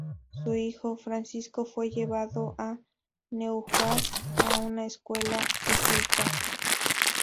Su hijo, Francisco fue llevado a Neuhaus a una escuela jesuita.